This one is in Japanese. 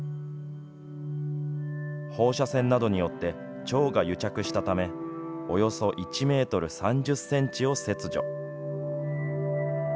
放射線などによって腸が癒着したため、およそ１メートル３０センチを切除。